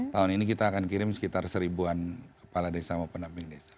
tahun ini kita akan kirim sekitar seribuan kepala desa sama penamping desa